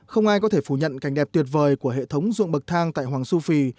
không ai có thể phủ nhận cảnh đẹp tuyệt vời của hệ thống ruộng bậc thang tại hoàng su phi